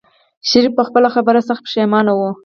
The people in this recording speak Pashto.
شريف په خپله خبره سخت پښېمانه و.